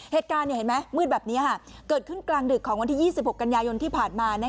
เหตุการณ์เห็นไหมมืดแบบนี้เกิดขึ้นกลางดึกของวันที่๒๖กันยายนที่ผ่านมา